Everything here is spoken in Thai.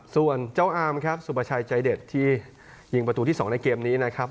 ส่วนเจ้าอามครับสุประชัยใจเด็ดที่ยิงประตูที่๒ในเกมนี้นะครับ